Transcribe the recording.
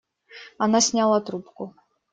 Она сняла трубку.